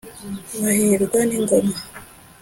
bahirwa n'ingoma